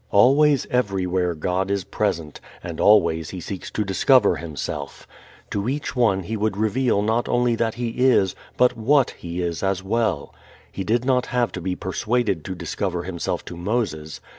Always, everywhere God is present, and always He seeks to discover Himself. To each one he would reveal not only that He is, but what He is as well. He did not have to be persuaded to discover Himself to Moses.